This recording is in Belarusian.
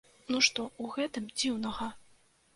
Ну што ў гэтым дзіўнага?